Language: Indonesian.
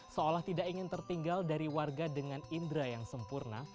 seolah tidak ingin tertinggal dari warga dengan indera yang sempurna